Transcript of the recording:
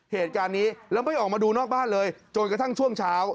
เหตุการณ์นี้แล้วไม่ออกมาดูนอกบ้านเลยจนกระทั่งช่วงเช้า